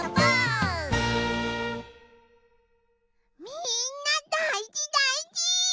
みんなだいじだいじ！